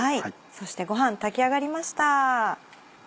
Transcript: そしてご飯炊き上がりました。